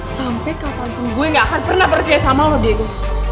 sampai kapanpun gue gak akan pernah percaya sama lebih gue